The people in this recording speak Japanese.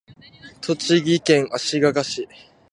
栃木県足利市